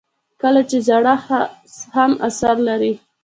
لکه چې زړښت هم اثر لري.